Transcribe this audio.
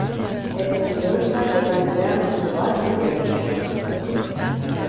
Er ist ein Söldner, der sein Gewerbe mit 'Gewalt für Geld' beschreiben würde.